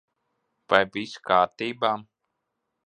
Vai viss kārtībā?